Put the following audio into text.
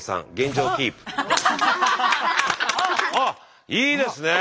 あっいいですねぇ。